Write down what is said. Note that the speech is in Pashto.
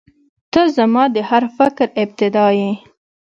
• ته زما د هر فکر ابتدا یې.